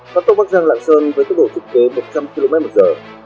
phát tốc vắc gian lạng sơn với tốc độ chức kế một trăm linh kmh